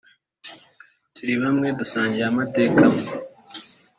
turi bwamwe dusangiye amateka amwe »